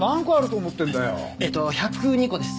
えっと１０２個です。